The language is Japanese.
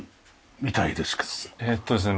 えっとですね